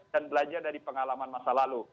dan belajar dari pengalaman masa lalu